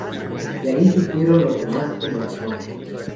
De ahí surgieron los demás emoticonos.